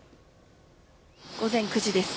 午前９時です。